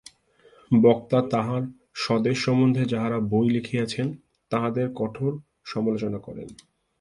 বক্তা তাঁহার স্বদেশ সম্বন্ধে যাঁহারা বই লিখিয়াছেন, তাঁহাদের কঠোর সমালোচনা করেন।